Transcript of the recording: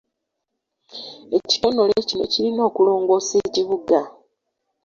Ekitonole kino kirina okulongoosa ekibuga.